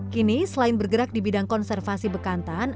kini selain bergerak di bidang konservasi bekantan